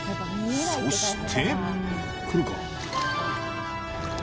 ［そして］